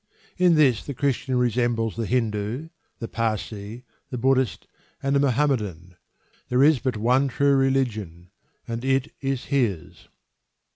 In this the Christian resembles the Hindu, the Parsee, the Buddhist, and the Mohammedan. There is but one true religion, and it is his.